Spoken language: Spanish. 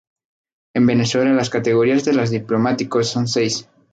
En Venezuela las categorías de los diplomáticos son seis.